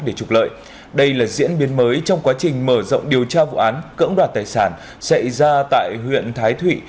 để trục lợi đây là diễn biến mới trong quá trình mở rộng điều tra vụ án cưỡng đoạt tài sản xảy ra tại huyện thái thụy